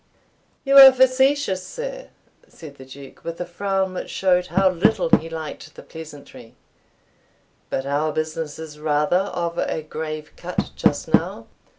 "You are facetious, air," said the Duke, with a frown which showed how little he liked the pleasantry; "but our business is rather of a grave cut just now.